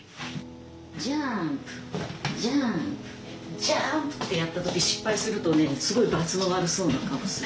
ジャンプ！ってやった時失敗するとねすごいバツの悪そうな顔をする。